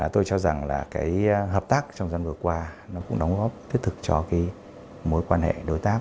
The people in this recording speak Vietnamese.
tôi cho rằng là hợp tác trong dân vượt qua cũng đóng góp thiết thực cho mối quan hệ đối tác